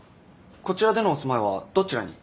こちらでのお住まいはどちらに？